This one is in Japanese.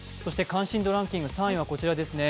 関心度ランキング３位はこちらですね。